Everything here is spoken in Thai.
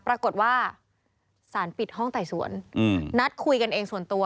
ปรากฏว่าสารปิดห้องไต่สวนนัดคุยกันเองส่วนตัว